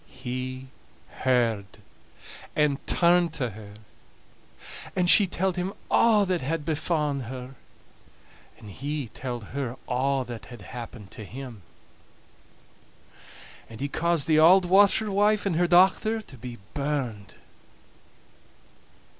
He heard, and turned to her. And she telled him a' that had befa'en her, and he telled her a' that had happened to him. And he caused the auld washerwife and her dochter to be burned.